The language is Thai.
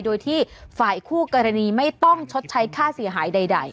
โดยที่ฝ่ายคู่กรณีไม่ต้องชดใช้ค่าเสียหายใด